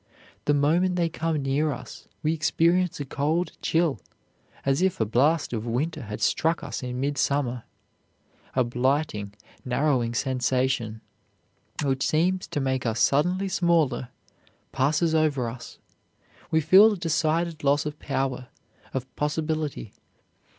The moment they come near us we experience a cold chill, as if a blast of winter had struck us in midsummer. A blighting, narrowing sensation, which seems to make us suddenly smaller, passes over us. We feel a decided loss of power, of possibility.